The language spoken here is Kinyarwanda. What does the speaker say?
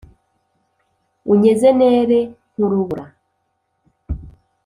Unyeze nere nk’ urubura,